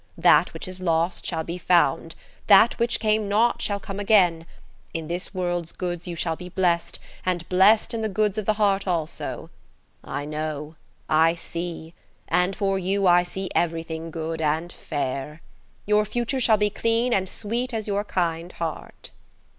That which is lost shall be found. That which came not shall come again. In this world's goods you shall be blessed, and blessed in the goods of the heart also. I know–I see–and for you I see everything good and fair. Your future shall be clean and sweet as your kind heart."